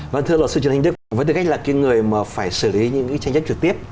vâng thưa luật sư trần hình đức với tư cách là cái người mà phải xử lý những cái tranh chấp trực tiếp